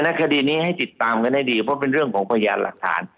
คดีนี้ให้ติดตามกันให้ดีเพราะเป็นเรื่องของพยานหลักฐาน